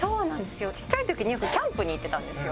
ちっちゃい時によくキャンプに行ってたんですよ。